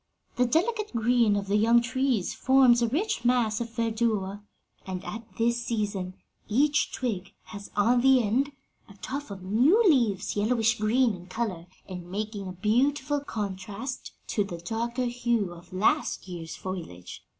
The delicate green of the young trees forms a rich mass of verdure, and at this season each twig has on the end a tuft of new leaves yellowish green in color and making a beautiful contrast to the darker hue of last year's foliage.